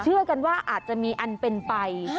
เชื่อกันว่าอาจจะมีอันเป็นไป